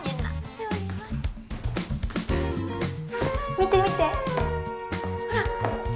見て見てほら。